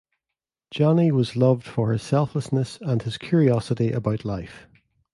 Johnny was loved for his selflessness and his curiosity about life.